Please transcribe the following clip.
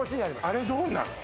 あれどうなの？